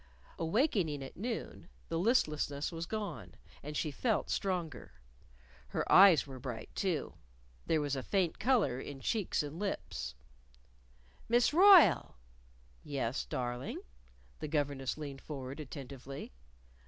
Awakening at noon the listlessness was gone, and she felt stronger. Her eyes were bright, too. There was a faint color in cheeks and lips. "Miss Royle!" "Yes, darling?" The governess leaned forward attentively.